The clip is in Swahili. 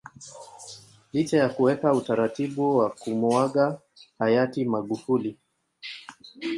Licha ya kuweka utaratibu wa kumuaga Hayati Magufuli